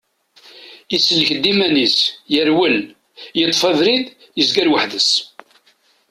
Isellek-d iman-is, yerwel, yeṭṭef abrid, yezger weḥd-s.